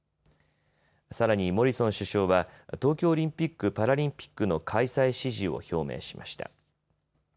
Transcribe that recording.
さらにモリソン首相は東京オリンピック・パラリンピックの開催支持を表明しました。